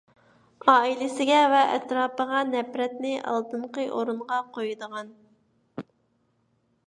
ئائىلىسىگە ۋە ئەتراپىغا نەپرەتنى ئالدىنقى ئورۇنغا قويىدىغان.